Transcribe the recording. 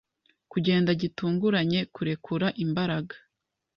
kugenda gitunguranye kurekura imbaraga